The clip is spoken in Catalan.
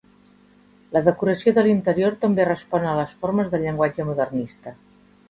La decoració de l'interior també respon a les formes del llenguatge modernista.